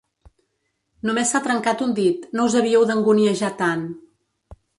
Només s'ha trencat un dit: no us havíeu d'anguniejar tant.